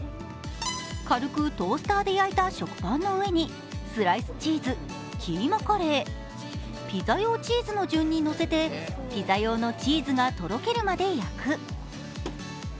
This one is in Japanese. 軽くトースターで焼いた食パンの上に、スライスチーズ、キーマカレー、ピザ用チーズの順にのせて、ピザ用のチーズがとろけるまで焼く。